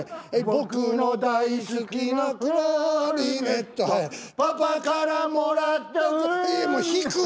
「ぼくの大好きなクラリネット」「パパからもらったクラ」引く！